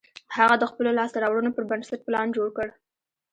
هغه د خپلو لاسته رواړنو پر بنسټ پلان جوړ کړ